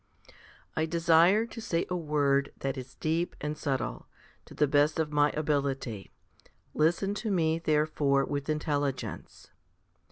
9. I desire to say a word that is deep and subtile, to the best of my ability ; listen to me, therefore, with intelligence.